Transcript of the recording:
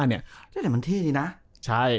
นี่มันเท่นี่นะ